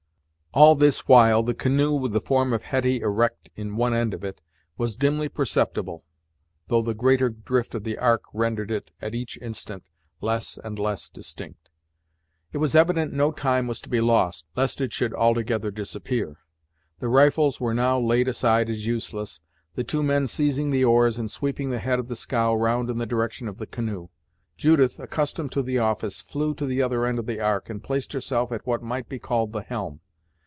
All this while the canoe, with the form of Hetty erect in one end of it, was dimly perceptible, though the greater drift of the Ark rendered it, at each instant, less and less distinct. It was evident no time was to be lost, lest it should altogether disappear. The rifles were now laid aside as useless, the two men seizing the oars and sweeping the head of the scow round in the direction of the canoe. Judith, accustomed to the office, flew to the other end of the Ark, and placed herself at what might be called the helm.